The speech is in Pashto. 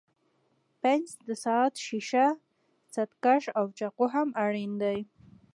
پنس، د ساعت ښيښه، ستکش او چاقو هم اړین دي.